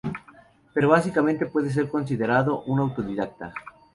Pero básicamente puede ser considerado un autodidacta.